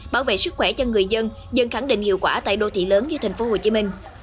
bảo vệ sức khỏe cho người dân dân khẳng định hiệu quả tại đô thị lớn như tp hcm